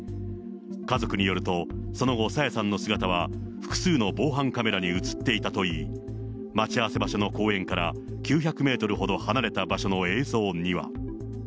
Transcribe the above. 家族によると、その後、朝芽さんの姿は、複数の防犯カメラに写っていたといい、待ち合わせ場所の公園から９００メートル離れた場所の映像には。